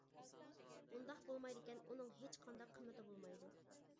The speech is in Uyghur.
ئۇنداق بولمايدىكەن، ئۇنىڭ ھېچ قانداق قىممىتى بولمايدۇ.